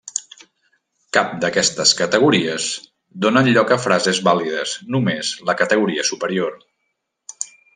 Cap d'aquestes categories donen lloc a frases vàlides només la categoria superior.